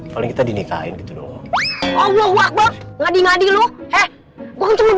paling kita dinikahin gitu doang ngadi ngadi lu eh gue cuma bantuin doang ya langsung tuh ya saya